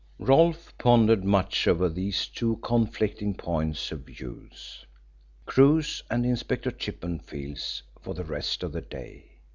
Rolfe pondered much over these two conflicting points of view Crewe's and Inspector Chippenfield's for the rest of the day.